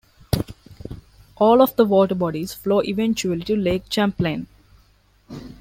All of the water bodies flow eventually to Lake Champlain.